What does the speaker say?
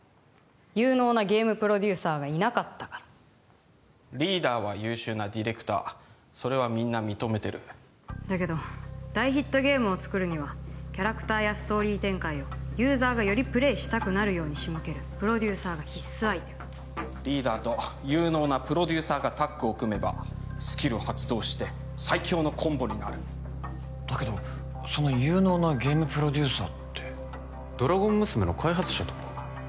有能なゲームプロデューサーがいなかったからリーダーは優秀なディレクターそれはみんな認めてるだけど大ヒットゲームを作るにはキャラクターやストーリー展開をユーザーがよりプレイしたくなるように仕向けるプロデューサーが必須アイテムリーダーと有能なプロデューサーがタッグを組めばスキルを発動して最強のコンボになるだけどその有能なゲームプロデューサーってドラゴン娘の開発者とか？